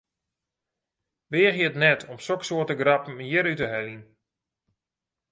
Weagje it net om soksoarte grappen hjir út te heljen!